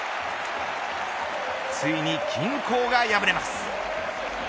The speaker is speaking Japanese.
ついに均衡が破れます。